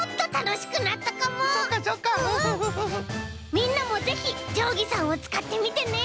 みんなもぜひじょうぎさんをつかってみてね！